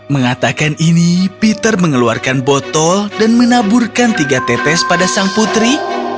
mengatakan ini peter mengeluarkan botol dan menaburkan tiga tetes pada sang putri